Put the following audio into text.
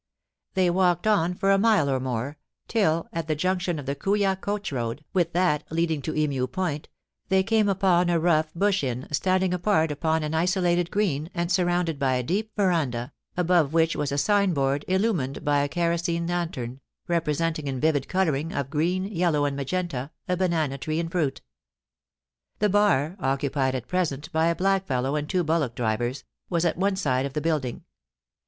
They walked on for a mile or more, till, at the junction of the Kooya coach road with that leading to Emu Point, they ^y^ POUCY AND PASSIOX. came upon a rough bush inn, standing apart upon an isolated green, and surrounded by a deep veranda, above whicJi was a sign board illumined by a kerosene lantern, represendi^ in vivid colouring of green, yellow, and magenta, a banana tree in fruit The bar, occupied at present by a black lellow and two bullock drivers, was at one side of the building.